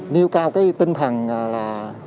nêu cao tinh thần là